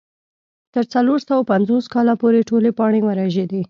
تر څلور سوه پنځوس کاله پورې ټولې پاڼې ورژېدې.